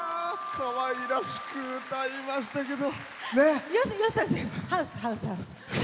かわいらしく歌いましたけど。